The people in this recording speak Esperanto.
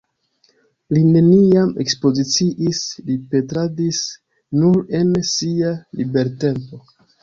Li neniam ekspoziciis, li pentradis nur en sia libertempo.